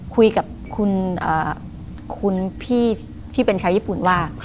คุยกับคุณพี่ที่เป็นชาวญี่ปุ่นว่า